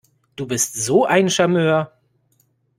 Du bist so ein Charmeur!